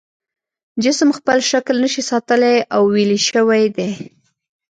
جسم خپل شکل نشي ساتلی او ویلې شوی دی.